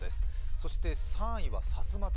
そして３位は、さすまた。